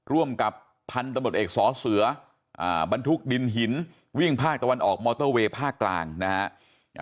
ร่วมกับพันธุ์ตำรวจเอกสอเสือบรรทุกดินหินวิ่งภาคตะวันออกมอเตอร์เวย์ภาคกลางนะฮะ